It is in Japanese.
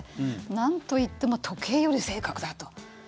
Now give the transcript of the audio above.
なんといっても時計より正確だと。